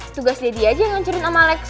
tugas daddy aja yang ngancerin om alex